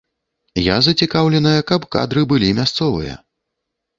Я зацікаўленая, каб кадры былі мясцовыя.